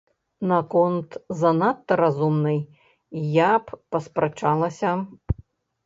Наконт занадта разумнай я б паспрачалася.